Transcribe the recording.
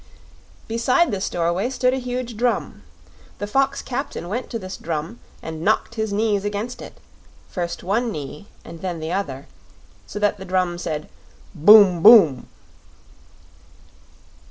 Beside this doorway stood a huge drum. The fox captain went to this drum and knocked his knees against it first one knee and then the other so that the drum said: "Boom boom."